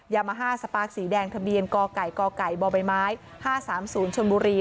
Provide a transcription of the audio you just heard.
ยามาฮ่าสปาร์คสีแดงทะเบียนกไก่กไก่บใบไม้๕๓๐ชนบุรี